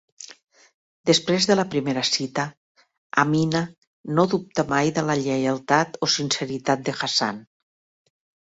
Després de la primera cita, Aminah no dubta mai de la lleialtat o sinceritat de Hassan.